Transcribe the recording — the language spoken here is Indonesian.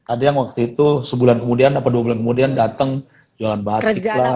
ada yang waktu itu sebulan kemudian apa dua bulan kemudian datang jualan batik lah